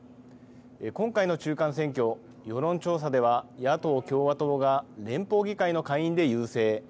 今回の中間選挙、世論調査では野党・共和党が連邦議会の下院で優勢。